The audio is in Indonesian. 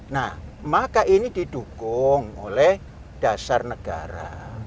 nah maka ini didukung oleh dasar negara